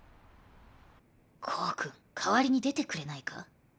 コウ君代わりに出てくれないか？